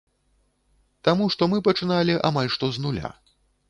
Таму што мы пачыналі амаль што з нуля.